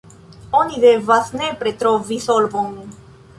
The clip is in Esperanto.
Oni devas nepre trovi solvon.